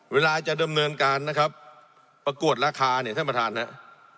เวลาจะดำเนินการประกวดราคาท่านประธานครับ